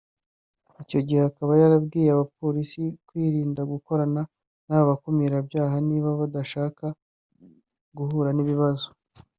Icyo gihe akaba yarabwiye abapolisi kwirinda gukorana n’aba bakumirabyaha niba badashaka guhura n’ibibazo